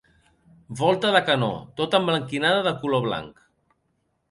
Volta de canó, tota emblanquinada de color blanc.